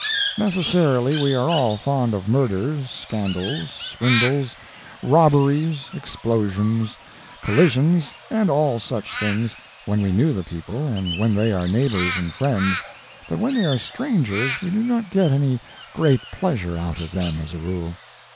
Necessarily we are all fond of murders, scandals, swindles, robberies, explosions, collisions, and all such things, when we know the people, and when they are neighbors and friends, but when they are strangers we do not get any great pleasure out of them, as a rule.